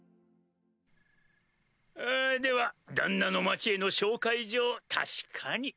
あでは旦那の町への紹介状確かに。